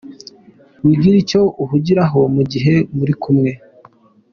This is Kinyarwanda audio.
Wigira icyo uhugiraho mu gihe muri kumwe :.